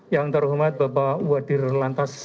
yang terhormat bapak wadir lantas